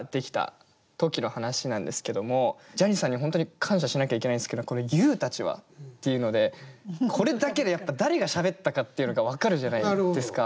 ジャニーさんに本当に感謝しなきゃいけないんですけどこの「ＹＯＵたちは」っていうのでこれだけでやっぱ誰がしゃべったかっていうのが分かるじゃないですか。